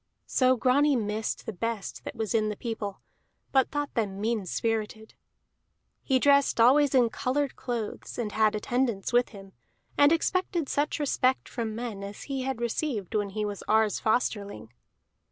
So Grani missed the best that was in the people, but thought them mean spirited. He dressed always in colored clothes, and had attendants with him, and expected such respect from men as he had received when he was Ar's Fosterling.